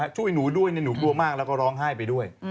ช่วยหนูด้วยหนูกลัวมากแล้วก็ร้องไห้ไปด้วย